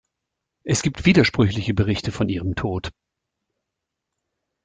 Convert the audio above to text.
Es gibt widersprüchliche Berichte von ihrem Tod.